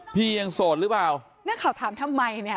พี่ยังโสดหรือเปล่านักข่าวถามทำไมเนี่ย